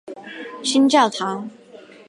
新教堂。